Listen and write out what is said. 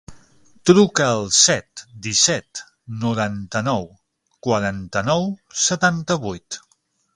Truca al set, disset, noranta-nou, quaranta-nou, setanta-vuit.